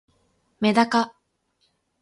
めだか